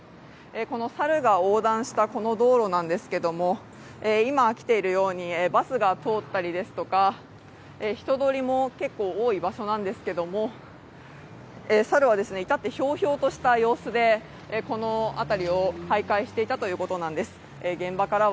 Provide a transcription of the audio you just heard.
猿が横断した道路なんですけれども、今、来ているようにバスが通ったりですとか人通りも結構多い場所なんですが、猿はいたってひょうひょうとした様子でこの辺りを徘回していたということです。